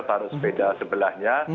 saya taruh sepeda sebelahnya